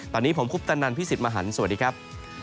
ตอนนี้ผมคุปตะนันพี่สิทธิ์มหันฯสวัสดีครับ